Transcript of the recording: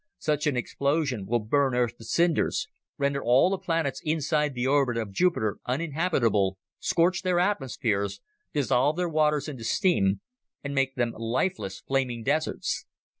Such an explosion will burn Earth to cinders, render all the planets inside the orbit of Jupiter uninhabitable, scorch their atmospheres, dissolve their waters into steam, and make them lifeless flaming deserts.